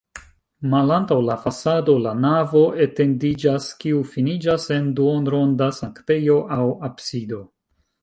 Malantaŭ la fasado la navo etendiĝas, kiu finiĝas en duonronda sanktejo aŭ absido.